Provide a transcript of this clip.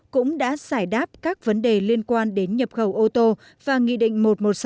cũng đã giải đáp các vấn đề liên quan đến nhập khẩu ô tô và nghị định một trăm một mươi sáu